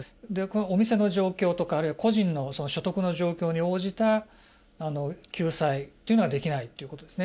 お店の状況とかあるいは個人の所得の状況に応じた救済というのができないということですね。